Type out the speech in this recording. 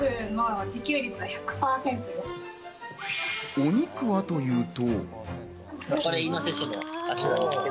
お肉はというと。